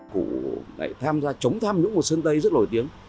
cụ này tham gia chống tham nhũng một sân tây rất nổi tiếng